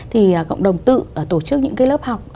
thì cộng đồng tự tổ chức những cái lớp học